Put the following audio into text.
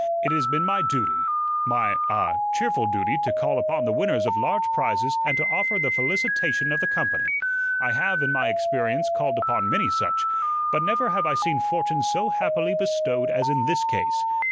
It has been my duty, my ah cheerful duty to call upon the winners of large prizes and to offer the felicitation of the company. I have, in my experience, called upon many such; but never have I seen fortune so happily bestowed as in this case.